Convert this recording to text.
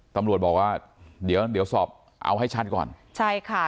ตำรวจบอกว่าเดี๋ยวเดี๋ยวสอบเอาให้ชัดก่อนใช่ค่ะ